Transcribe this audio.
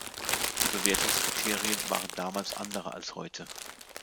Die Bewertungskriterien waren damals andere als heute.